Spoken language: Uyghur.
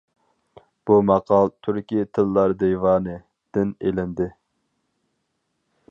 بۇ ماقال «تۈركىي تىللار دىۋانى» دىن ئېلىندى.